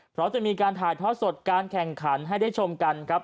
เพราะจะมีการถ่ายทอดสดการแข่งขันให้ได้ชมกันครับ